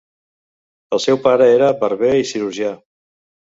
El seu pare era barber i cirurgià.